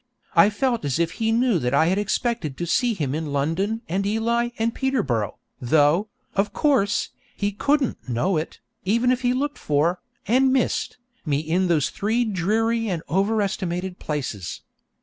I felt as if he knew that I had expected to see him in London and Ely and Peterborough, though, of course, he couldn't know it, even if he looked for, and missed, me in those three dreary and over estimated places.